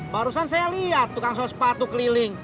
barusan saya lihat tukang sos patuh keliling